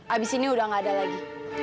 abis ini udah gak ada lagi